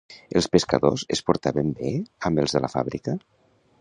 Els pescadors es portaven bé amb els de la fàbrica?